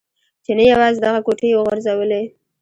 چې نه یوازې دغه کوټې يې و غورځولې.